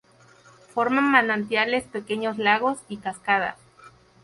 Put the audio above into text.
Forman manantiales, pequeños lagos y cascadas.